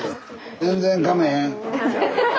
全然かまへん。